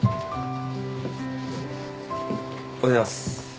おはようございます。